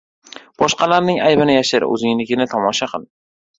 • Boshqalarning aybini yashir, o‘zingnikini tomosha qil.